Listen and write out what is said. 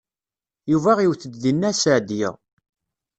Yuba iwet-d deg Nna Seɛdiya.